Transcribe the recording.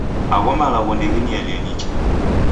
Agho malagho ndeginielie nicha.